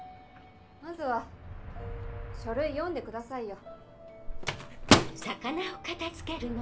まずは書類読んでくださいよ。